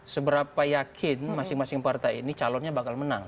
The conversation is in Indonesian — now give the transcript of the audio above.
seberapa yakin masing masing partai ini calonnya bakal menang